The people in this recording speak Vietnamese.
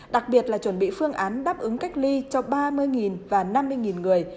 đặc biệt là chuẩn bị phương án đáp ứng cách ly cho ba mươi và năm mươi người